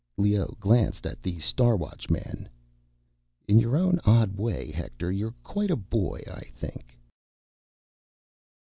Leoh glanced at the Star Watchman. "In your own odd way, Hector, you're quite a boy ... I think."